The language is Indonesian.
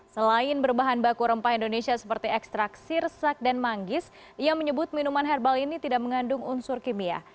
selain berbahan baku rempah indonesia seperti ekstrak sirsak dan manggis ia menyebut minuman herbal ini tidak mengandung unsur kimia